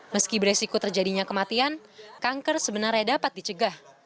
meski beresiko terjadinya kematian kanker sebenarnya dapat dicegah